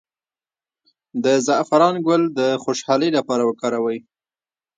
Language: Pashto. د زعفران ګل د خوشحالۍ لپاره وکاروئ